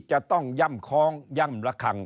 จะต้องย่ำคล้องย่ำละคัง